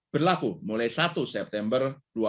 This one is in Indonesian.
berlaku mulai satu september dua ribu dua puluh